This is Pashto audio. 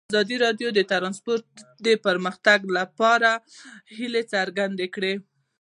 ازادي راډیو د ترانسپورټ د پرمختګ په اړه هیله څرګنده کړې.